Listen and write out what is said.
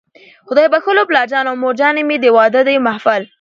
خدای بښلو پلارجان او مورجانې مې، د واده د محفل